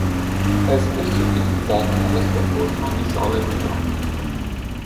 È spesso utilizzato nella sua forma di sale metallico.